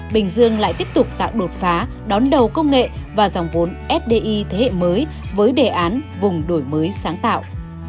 bình dương lại tiếp tục tạo đột phá đón đầu công nghệ và dòng vốn fdi thế hệ mới với đề án vùng đổi mới sáng tạo